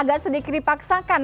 agak sedikit dipaksakan